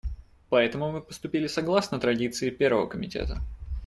Поэтому мы поступили согласно традиции Первого комитета.